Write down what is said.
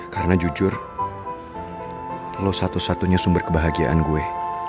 karena jujur lo satu satunya sumber kebahagiaan gue